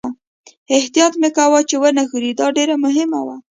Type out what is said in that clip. احتیاط مې کاوه چې و نه ښوري، دا ډېره مهمه وه.